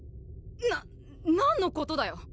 な何のことだよ。